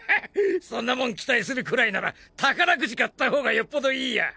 そんなもん期待するくらいなら宝くじ買ったほうがよっぽどいいや。